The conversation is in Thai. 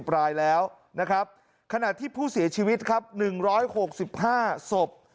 รายแล้วนะครับขณะที่ผู้เสียชีวิตครับ๑๖๕ศพ